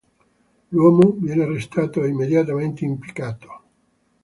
L'uomo viene arrestato e immediatamente impiccato.